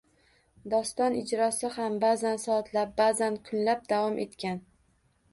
Doston ijrosi ham ba'zan soatlab, ba'zan kunlab davom etgan